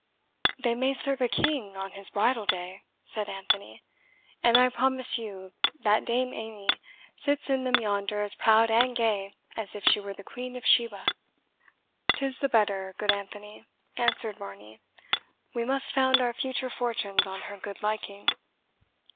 "They may serve a king on his bridal day," said Anthony; "and I promise you that Dame Amy sits in them yonder as proud and gay as if she were the Queen of Sheba." "'Tis the better, good Anthony," answered Varney; "we must found our future fortunes on her good liking."